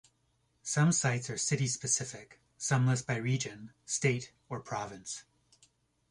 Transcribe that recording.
Some sites are city-specific, some list by region, state or province.